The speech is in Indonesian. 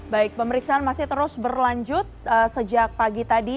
baik pemeriksaan masih terus berlanjut sejak pagi tadi